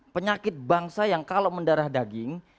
penyakit bangsa yang kalau mendarah daging